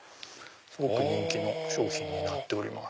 すごく人気の商品になっております。